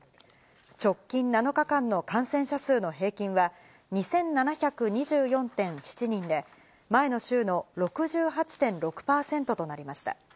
直近７日間の感染者数の平均は、２７２４．７人で、前の週の６８．６％となりました。